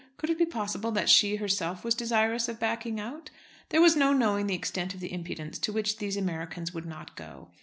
Could it be possible that she herself was desirous of backing out. There was no knowing the extent of the impudence to which these Americans would not go!